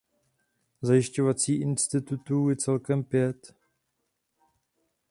Zajišťovací institutů je celkem pět.